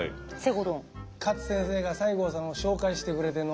勝先生が西郷さんを紹介してくれての。